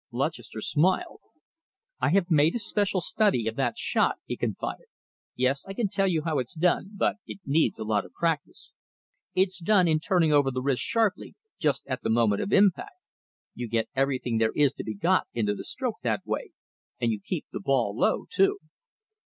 Lutchester smiled. "I have made a special study of that shot," he confided. "Yes, I can tell you how it's done, but it needs a lot of practice. It's done in turning over the wrists sharply just at the moment of impact. You get everything there is to be got into the stroke that way, and you keep the ball low, too."